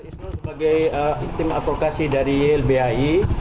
saya sebagai tim advokasi dari ylbhi